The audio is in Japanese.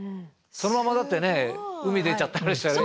そのままだってね海出ちゃったりしたら。